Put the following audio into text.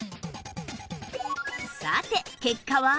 さて結果は？